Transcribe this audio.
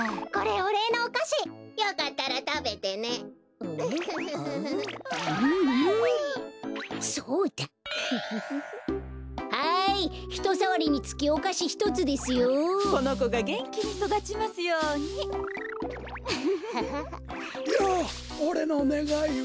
おれのねがいは。